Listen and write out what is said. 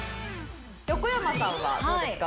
横山さんはどうですか？